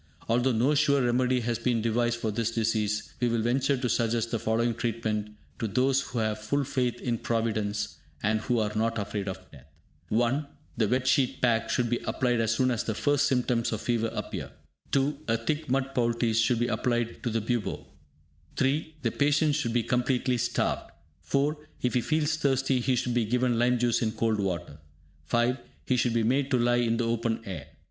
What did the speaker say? Although no sure remedy has been devised for this disease, we will venture to suggest the following treatment to those who have full faith in Providence, and who are not afraid of death. (1) The "Wet Sheet Pack" should be applied as soon as the first symptoms of fever appear. (2) A thick mud poultice should be applied to the bubo. (3) The patient should be completely starved. (4) If he feels thirsty, he should be given lime juice in cold water. (5) He should be made to lie in the open air.